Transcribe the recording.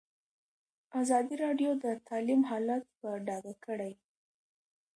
ازادي راډیو د تعلیم حالت په ډاګه کړی.